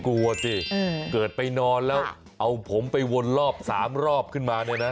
กลัวสิเกิดไปนอนแล้วเอาผมไปวนรอบ๓รอบขึ้นมาเนี่ยนะ